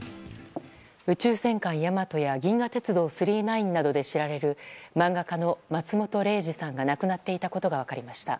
「宇宙戦艦ヤマト」や「銀河鉄道９９９」などで知られる漫画家の松本零士さんが亡くなっていたことが分かりました。